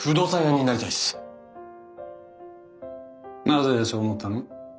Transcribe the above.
なぜそう思ったの？